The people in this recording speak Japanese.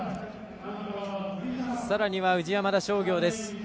さらには宇治山田商業です。